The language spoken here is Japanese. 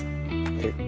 えっ？